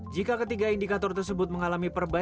jika ketiga indikator tersebut mengalami perbaikan